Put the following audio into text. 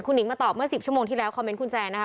หิงมาตอบเมื่อ๑๐ชั่วโมงที่แล้วคอมเมนต์คุณแซนนะคะ